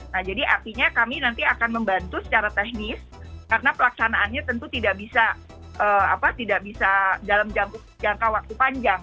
nah jadi artinya kami nanti akan membantu secara teknis karena pelaksanaannya tentu tidak bisa dalam jangka waktu panjang